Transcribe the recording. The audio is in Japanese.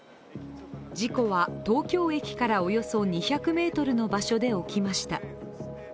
事故は東京駅からおよそ２００ｍの場所で起きました。